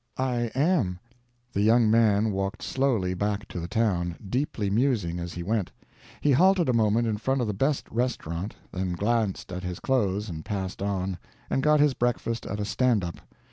"I am." The young man walked slowly back to the town, deeply musing as he went. He halted a moment in front of the best restaurant, then glanced at his clothes and passed on, and got his breakfast at a "stand up."